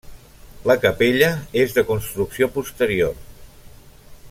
La capella és de construcció posterior.